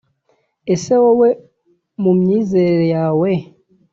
Ese wowe mu myizerere yawe